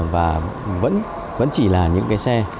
và vẫn chỉ là những cái xe